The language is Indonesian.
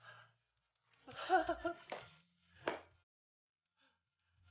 kalau sampai si cantik ini lagi di depan saya